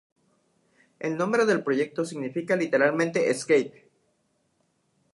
El nombre del proyecto significa literalmente "escape".